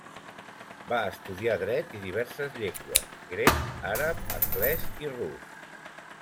Va estudiar Dret i diverses llengües: grec, àrab, anglès i rus.